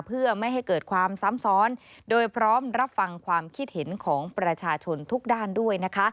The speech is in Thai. เพื่อไม่ให้เกิดความซ้ำซ้อนโดยพร้อมรับฟังความคิดเห็นของประชาชนทุกด้านด้วยนะคะ